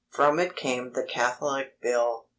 From it came the Catholic Bill.